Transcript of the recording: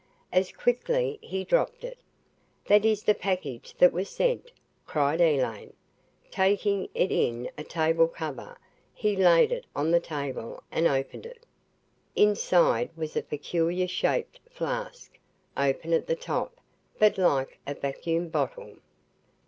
As quickly he dropped it. "That is the package that was sent," cried Elaine. Taking it in a table cover, he laid it on the table and opened it. Inside was a peculiar shaped flask, open at the top, but like a vacuum bottle.